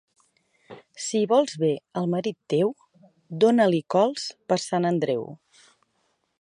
Si vols bé al marit teu, dóna-li cols per Sant Andreu.